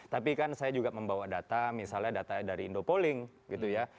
tapi kan saya juga membawa data misalnya data dari indopolling gitu ya